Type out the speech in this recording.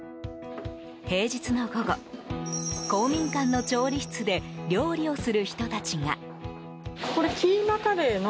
平日の午後、公民館の調理室で料理をする人たちが。